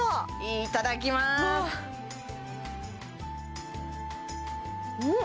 いただきますんん！